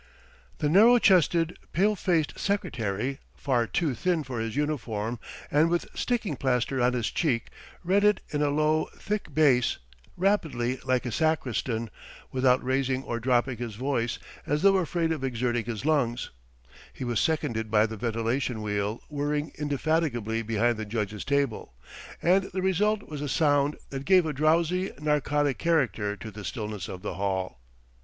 The narrow chested, pale faced secretary, far too thin for his uniform, and with sticking plaster on his check, read it in a low, thick bass, rapidly like a sacristan, without raising or dropping his voice, as though afraid of exerting his lungs; he was seconded by the ventilation wheel whirring indefatigably behind the judge's table, and the result was a sound that gave a drowsy, narcotic character to the stillness of the hall.